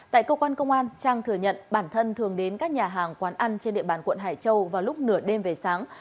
tại cơ quan công an trang thừa nhận bản thân thường đến các nhà hàng quán ăn trên địa bàn quận hải châu vào lúc nửa đêm về sáng